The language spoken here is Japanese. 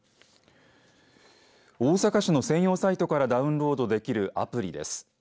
大阪市の専用サイトからダウンロードできるアプリです。